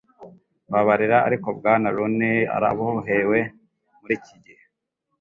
Mbabarira, ariko Bwana Rooney arabohewe muri iki gihe.